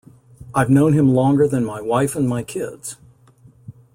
I've known him longer than my wife and my kids.